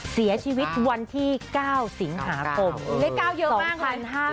เสียชีวิตวันที่๙สิงหาปม๒๕๕๑